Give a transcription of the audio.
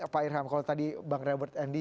pak irham kalau tadi bang robert endi